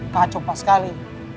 kacau pas sekali